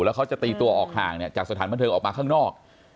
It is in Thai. แล้วเขาจะตีตัวออกห่างจากสถานบันเทิงออกมาข้างนอก